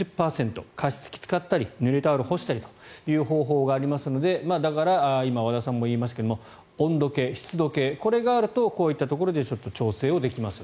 加湿器使ったりぬれタオルを干したりという方法がありますのでだから、今和田さんも言いましたが温度計、湿度計があるとこういったところでちょっと調整ができます。